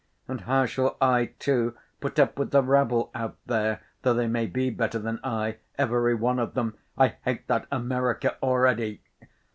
And how shall I, too, put up with the rabble out there, though they may be better than I, every one of them? I hate that America already!